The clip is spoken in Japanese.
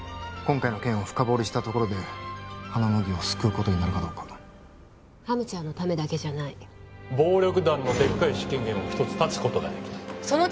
今回の件を深掘りしたところで羽野麦を救うことになるかどうかハムちゃんのためだけじゃない暴力団のでっかい資金源を一つ断つことができた